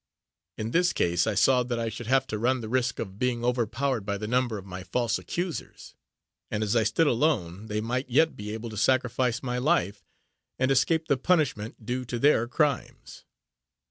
In this case, I saw that I should have to run the risk of being overpowered by the number of my false accusers; and, as I stood alone, they might yet be able to sacrifice my life, and escape the punishment due to their crimes.